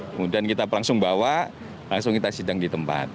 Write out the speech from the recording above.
kemudian kita langsung bawa langsung kita sidang di tempat